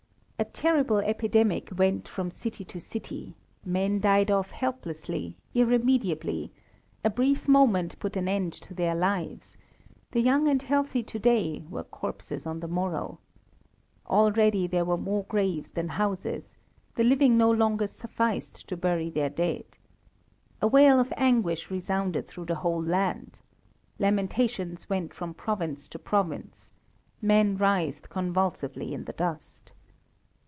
A terrible epidemic went from city to city; men died off helplessly, irremediably; a brief moment put an end to their lives; the young and healthy to day were corpses on the morrow. Already there were more graves than houses; the living no longer sufficed to bury their dead. A wail of anguish resounded through the whole land. Lamentations went from province to province. Men writhed convulsively in the dust.